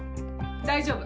大丈夫。